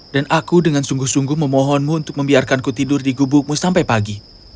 dan aku dengan sungguh sungguh memohonmu untuk membiarkanku tidur di gubukmu sampai pagi